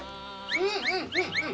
うん、うん、うん、うん。